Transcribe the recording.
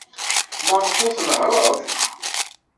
Maɣef ur tnehhṛeḍ?